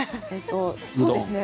そうですね。